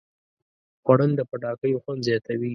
خوړل د پټاکیو خوند زیاتوي